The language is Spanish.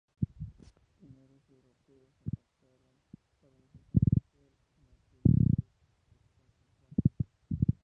Los primeros europeos, encontraron organización social matrilineal desconcertante.